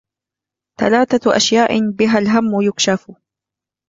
ثلاثة أشياء بها الهم يكشف